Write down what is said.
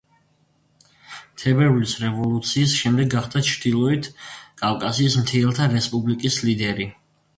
თებერვლის რევოლუციის შემდეგ გახდა ჩრდილოეთ კავკასიის მთიელთა რესპუბლიკის ლიდერი.